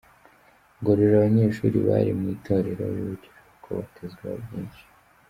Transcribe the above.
Ngororero Abanyeshuri bari mu itorero bibukijwe ko batezweho byinshi